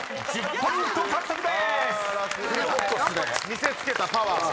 見せつけたパワーを。